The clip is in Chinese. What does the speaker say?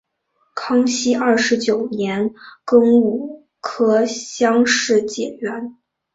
康熙二十九年庚午科乡试解元。